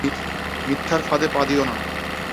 মিথ্যার ফাঁদে পা দিও না।